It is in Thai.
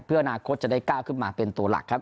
เพื่ออนาคตจะได้ก้าวขึ้นมาเป็นตัวหลักครับ